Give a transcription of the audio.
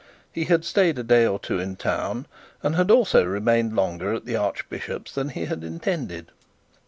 He had stayed a day or two in town, and had also remained longer at the archbishop's than he had intended.